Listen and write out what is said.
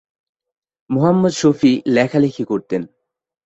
মুহাম্মদ শফী লেখালেখি করতেন।